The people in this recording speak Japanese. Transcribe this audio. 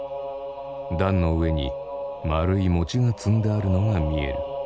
壇の上に丸い餅が積んであるのが見える。